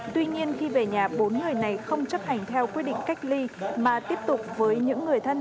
tuy nhiên khi về nhà bốn người này không chấp hành theo quyết định cách ly mà tiếp tục với những người thân